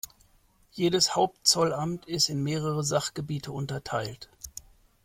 Jedes Hauptzollamt ist in mehrere Sachgebiete unterteilt.